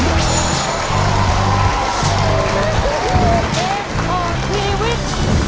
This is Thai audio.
เกมต่อชีวิต